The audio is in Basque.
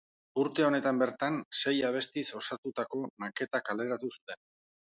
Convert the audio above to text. Urte honetan bertan sei abestiz osatutako maketa kaleratu zuten.